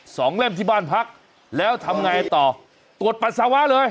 เล่มที่บ้านพักแล้วทำไงต่อตรวจปัสสาวะเลย